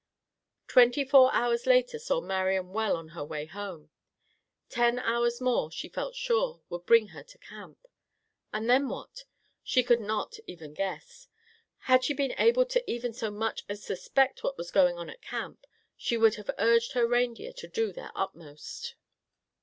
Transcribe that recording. Twenty four hours later saw Marian well on her way home. Ten hours more, she felt sure, would bring her to camp. And then what? She could not even guess. Had she been able to even so much as suspect what was going on at camp, she would have urged her reindeer to do their utmost.